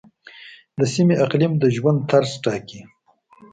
د سیمې اقلیم د ژوندانه طرز ټاکي.